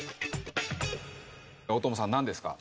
大友さんなんですか？